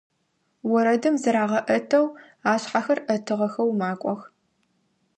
Орэдым зырагъэӀэтэу, ашъхьэхэр Ӏэтыгъэхэу макӀох.